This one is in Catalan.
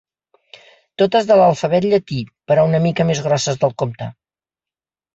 Totes de l'alfabet llatí, però una mica més grosses del compte.